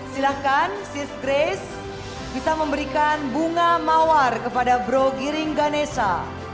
silahkan sis grace bisa memberikan bunga mawar kepada bro giring ganesa